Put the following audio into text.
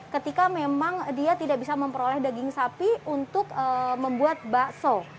ketika memang dia tidak bisa memperoleh daging sapi untuk membuat bakso